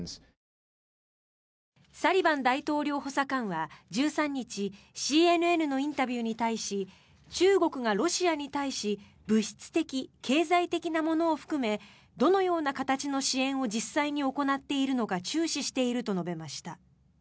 サリバン大統領補佐官は１３日ＣＮＮのインタビューに対し中国がロシアに対し物質的、経済的なものを含めどのような形の支援を実際に行っているのか注視していると述べました。